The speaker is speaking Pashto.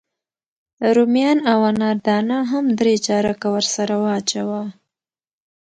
رومیان او انار دانه هم درې چارکه ورسره واچوه.